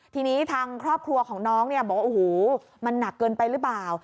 ทีนี้ทางครอบครัวของน้องเนี่ยบอกว่าโอ้โหมันหนักเกินไปหรือเปล่า